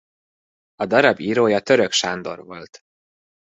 A darab írója Török Sándor volt.